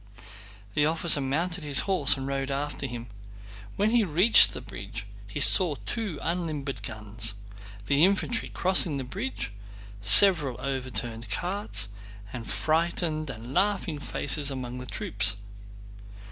The officer mounted his horse and rode after him. When he reached the bridge he saw two unlimbered guns, the infantry crossing the bridge, several overturned carts, and frightened and laughing faces among the troops.